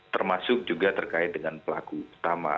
termasuk juga terkait dengan pelaku utama